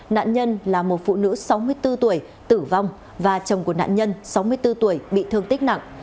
nạn nhân là một phụ nữ sáu mươi bốn tuổi tử vong và chồng của nạn nhân sáu mươi bốn tuổi bị thương tích nặng